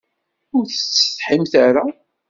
Ur tessetḥimt ara?